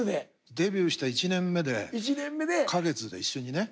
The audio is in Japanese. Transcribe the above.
デビューした１年目で花月で一緒にね。